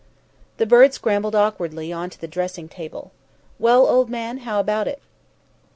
The bird scrambled awkwardly on to the dressing table. "Well, old man, how about it?"